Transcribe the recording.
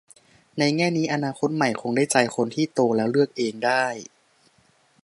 ในแง่นี้อนาคตใหม่คงได้ใจคนที่ โตแล้วเลือกเองได้